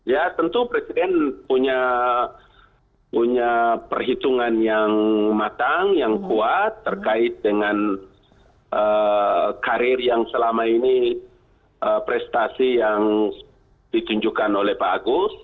ya tentu presiden punya perhitungan yang matang yang kuat terkait dengan karir yang selama ini prestasi yang ditunjukkan oleh pak agus